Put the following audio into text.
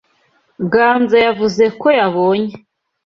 Ganza yavuze ko yabonye